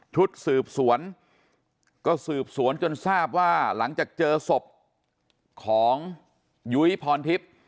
ชุดสืบสวนก็สืบสวนจนทราบว่าหลังจากเจอศพของยุ้ยพรทิพย์